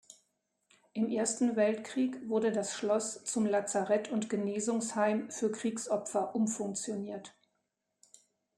Im Ersten Weltkrieg wurde das Schloss zum Lazarett und Genesungsheim für Kriegsopfer umfunktioniert.